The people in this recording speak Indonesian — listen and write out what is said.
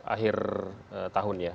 akhir tahun ya